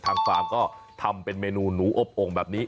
ฟาร์มก็ทำเป็นเมนูหนูอบโอ่งแบบนี้